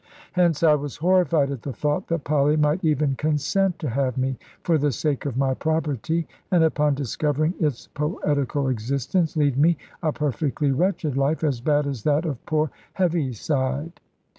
Hence I was horrified at the thought that Polly might even consent to have me for the sake of my property, and upon discovering its poetical existence, lead me a perfectly wretched life, as bad as that of poor Heaviside.